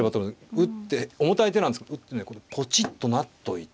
打って重たい手なんですけど打ってねポチッと成っといて。